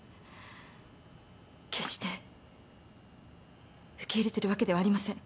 決して受け入れてるわけではありません。